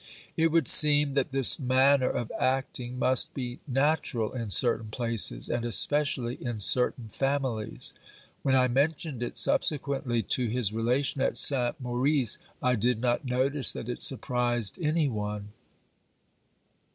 It would seem that this manner of acting must be natural in certain places, and especially in certain families. When I mentioned it subsequently to his relation at Saint Maurice, I did not notice that it surprised any one.